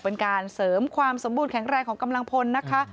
เป็นการเสริมความสมบูรณแข็งแรงของกำลังพลนะคะ